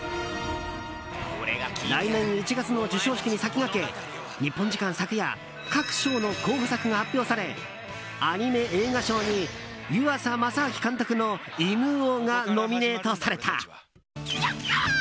来年１月の授賞式に先駆け日本時間昨夜各賞の候補作が発表されアニメ映画賞に湯浅政明監督の「犬王」がノミネートされた。